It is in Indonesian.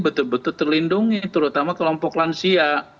betul betul terlindungi terutama kelompok lansia